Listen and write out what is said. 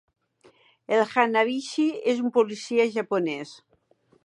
El Hanabishi és un policia japonès?